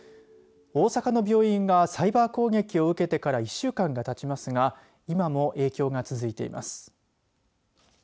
大阪の病院がサイバー攻撃を受けてから１週間がたちますが今も影響が続いています。